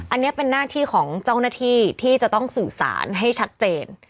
อันนี้เป็นหน้าที่ของเจ้าหน้าที่ที่จะต้องสื่อสารให้ชัดเจน